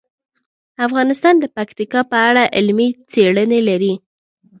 افغانستان د پکتیکا په اړه علمي څېړنې لري.